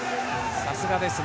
さすがですね。